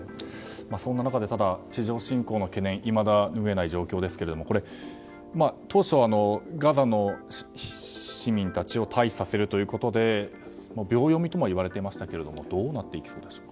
その中で、地上侵攻の懸念はいまだ拭えない状況ですけども当初、ガザの市民たちを退避させるということで秒読みとも言われていましたがどうなんでしょう。